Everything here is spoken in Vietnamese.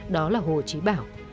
đó là hồ chí bảo